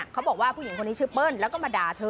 เขาบอกว่าผู้หญิงคนนี้ชื่อเปิ้ลแล้วก็มาด่าเธอ